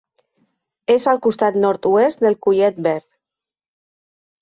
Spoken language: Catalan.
És al costat nord-oest del Collet Verd.